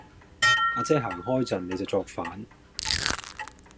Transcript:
亞姐行開陣,你就作反